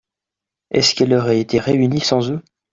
Est-ce qu'elle aurait été réunie sans eux ?